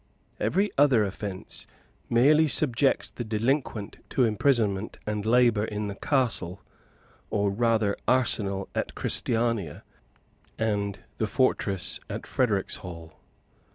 Every other offence merely subjects the delinquent to imprisonment and labour in the castle, or rather arsenal at Christiania, and the fortress at Fredericshall.